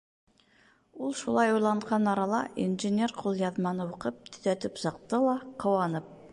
Ул шулай уйланған арала, инженер ҡулъяҙманы уҡып, төҙәтеп сыҡты ла, ҡыуанып: